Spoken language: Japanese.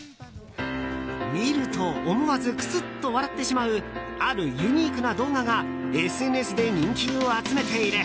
見ると思わず、くすっと笑ってしまうあるユニークな動画がＳＮＳで人気を集めている。